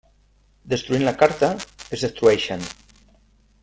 Destruint la carta, es destrueixen.